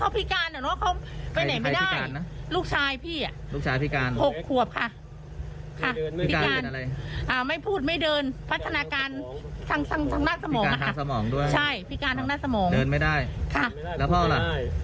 พิการทั้งสมองด้วยใช่พิการทั้งหน้าสมองเดินไม่ได้ค่ะแล้วพ่อล่ะ